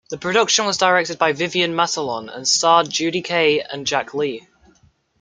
The production was directed by Vivian Matalon and starred Judy Kaye and Jack Lee.